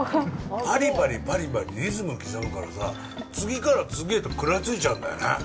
パリパリパリパリリズム刻むからさ次から次へと食らいついちゃうんだよね。